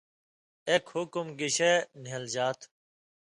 ایک حُکُم گِشے نھیلژا تھُو